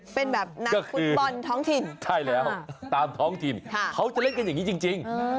เป็นแบบนักฟุตบอลท้องถิ่นใช่แล้วตามท้องถิ่นเขาจะเล่นกันอย่างนี้จริง